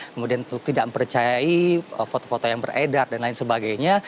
kemudian tidak mempercayai foto foto yang beredar dan lain sebagainya